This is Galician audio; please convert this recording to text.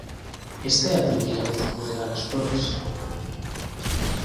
_Esta é a primeira vez que me regalas flores...